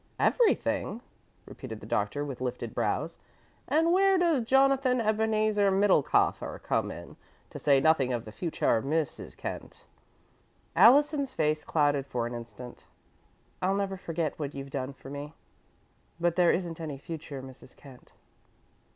"Everything?" repeated the Doctor, with lifted brows. "And where does Jonathan Ebenezer Middlekauffer come in, to say nothing of the future Mrs. Kent?" Allison's face clouded for an instant. "I'll never forget what you've done for me, but there isn't any future Mrs. Kent."